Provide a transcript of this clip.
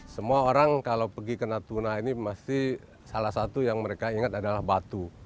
semua orang kalau pergi ke natuna ini pasti salah satu yang mereka ingat adalah batu